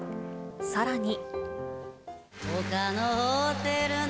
さらに。